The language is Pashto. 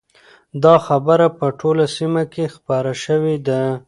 دا خبره په ټوله سیمه کې خپره شوې ده.